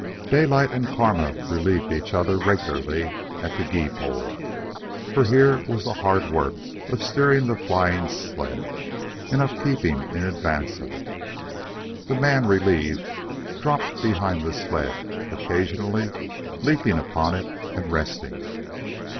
Daylight and Kama relieved each other regularly at the gee pole, for here was the hard work of steering the flying sled and of keeping in advance of it. The man relieved dropped behind the sled, occasionally leaping upon it and resting.